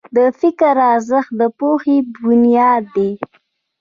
د فکر ارزښت د پوهې بنیاد دی.